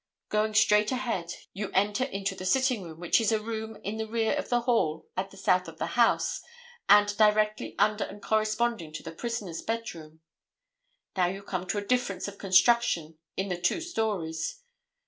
Going straight ahead you enter into the sitting room, which is a room in the rear of the hall at the south of the house, and directly under and corresponding to the prisoner's bed room. Now you come to a difference of construction in the two stories.